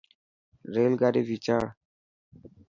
ريل گاڏي ڀيچاڙ.